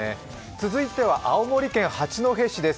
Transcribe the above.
続いては青森県八戸市です。